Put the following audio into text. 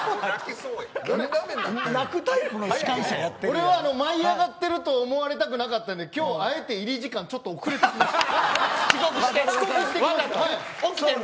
俺は舞い上がってると思われたくなかったのであえて入り時間遅れてきました。